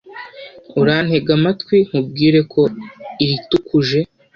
urantege amatwi nkubwire ko ilitukuje